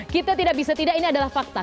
kita tidak bisa tidak ini adalah fakta